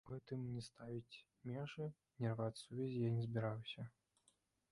У гэтым ні ставіць межы, ні рваць сувязі я не збіраюся.